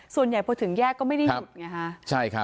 ส่วนใหญ่พอถึงแยกก็ไม่ได้หยุดไงฮะ